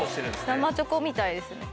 生チョコみたいですね。